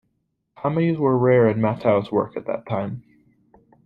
Comedies were rare in Matthau's work at that time.